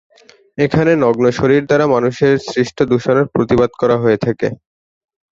এখানে নগ্ন শরীর দ্বারা মানুষের সৃষ্ট দূষণের প্রতিবাদ করা হয়ে থাকে।